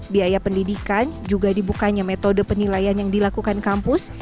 biaya pendidikan juga dibukanya metode penilaian yang dilakukan kampus